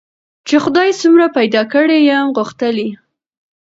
چي خدای څومره پیدا کړی یم غښتلی